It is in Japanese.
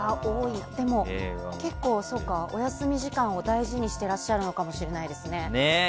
でも、結構お休み時間を大事にしてらっしゃるのかもしれないですね。